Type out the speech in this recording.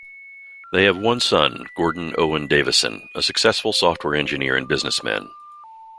They have one son, Gordon Owen Davisson, a successful software engineer and businessman.